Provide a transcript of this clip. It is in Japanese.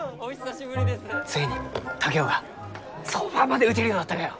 ついに竹雄がそばまで打てるようになったがよ。